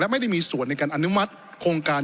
ไม่ได้มีส่วนในการอนุมัติโครงการ